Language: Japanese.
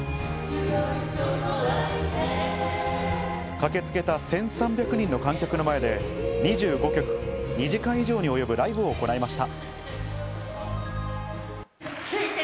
駆けつけた１３００人の観客の前で２５曲、２時間以上に及ぶライブを行いました。